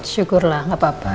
syukurlah gak apa apa